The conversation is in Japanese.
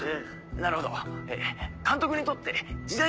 なるほど監督にとって時代劇とは？